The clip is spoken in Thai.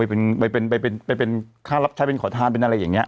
ไปเป็นค่ารับใช้เป็นขอทานเป็นอะไรอย่างนี้